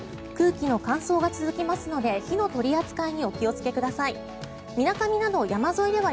空気の乾燥が続きますので火の取り扱いにお気をつけください。